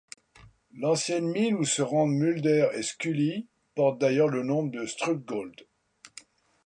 L'ancienne mine où se rendent Mulder et Scully porte d'ailleurs le nom de Strughold.